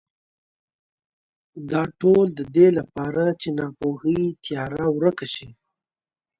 دا ټول د دې لپاره چې ناپوهۍ تیاره ورکه شي.